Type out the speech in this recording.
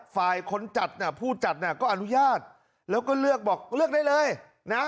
ฝ่ายคนจัดน่ะผู้จัดน่ะก็อนุญาตแล้วก็เลือกบอกเลือกได้เลยนะ